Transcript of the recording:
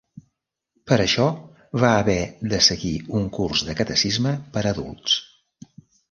Per això va haver de seguir un curs de catecisme per a adults.